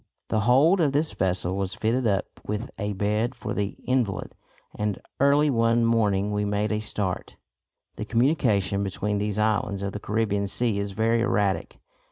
The hold of this vessel was fitted up with a bed for the invalid, and early one morning we made a start. The communication between these islands of the Caribbean Sea is very erratic.